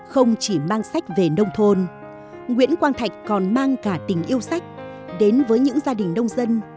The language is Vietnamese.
không chỉ mang sách về nông thôn nguyễn quang thạch còn mang cả tình yêu sách đến với những gia đình nông dân